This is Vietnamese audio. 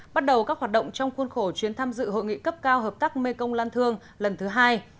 bắt đầu các hoạt động trong khuôn khổ chuyến tham dự hội nghị cấp cao hợp tác mê công lan thương lần thứ hai